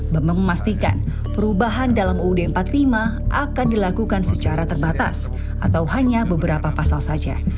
bambang memastikan perubahan dalam uud empat puluh lima akan dilakukan secara terbatas atau hanya beberapa pasal saja